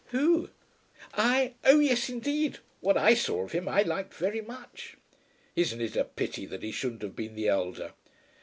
"Who; I. Oh, yes, indeed. What I saw of him I liked very much." "Isn't it a pity that he shouldn't have been the elder?"